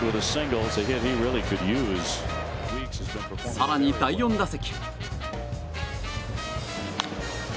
更に、第４打席。